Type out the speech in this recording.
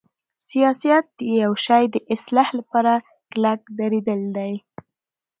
سیاست د یوشی د اصلاح لپاره کلک دریدل دی.